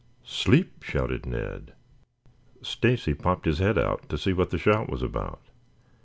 "Sleep!" shouted Ned. Stacy popped his head out to see what the shout was about.